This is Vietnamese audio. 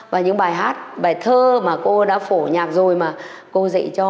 và những bài hát bài thơ mà cô đã phổ nhạc rồi mà cô dạy cho